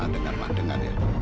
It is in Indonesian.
ma dengar ma dengar ya